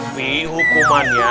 nih ke sana